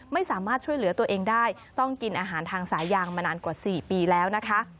ไม่สามารถช่วยเหลือตัวเองได้ต้องกินอาหารทางสายางมานานกว่า๔ปีแล้วนะคะ